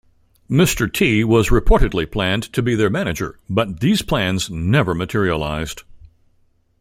Mr. T was reportedly planned to be their manager, but these plans never materialized.